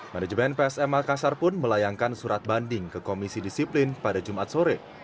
manajemen psm makassar pun melayangkan surat banding ke komisi disiplin pada jumat sore